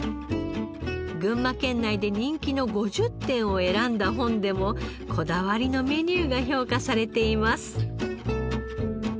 群馬県内で人気の５０店を選んだ本でもこだわりのメニューが評価されています。